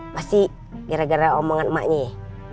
pasti gara gara omongan emaknya ya